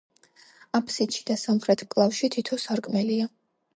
აფსიდში და სამხრეთ მკლავში თითო სარკმელია.